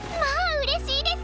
うれしいですわ。